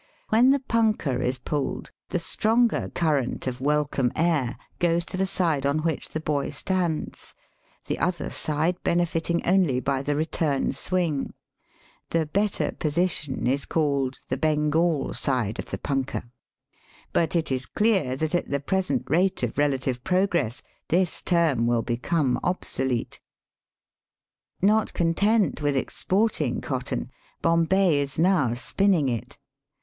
When the punkah is pulled the stronger current of welcome air goes to the side on which the boys stands, the other side benefiting only by the return swing ; the better position is called " the Bengal side of the punkah.'* But it is clear that at the present rate of relative progress this term will become obsolete. Not content with exporting cotton, Bom bay is now spinning it.